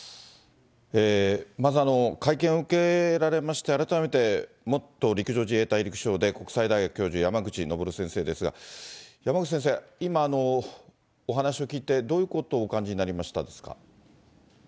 まず会見を受けられまして、改めて元陸上自衛隊陸将で、国際大学教授、山口昇先生ですが、山口先生、今、お話を聞いて、どういうことをお感じになりましたですか。